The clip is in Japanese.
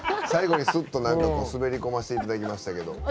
最後にスッと何か滑り込ませて頂きましたけど。